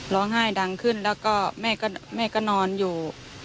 ร้องไห้ดังขึ้นแล้วก็แม่ก็นอนอยู่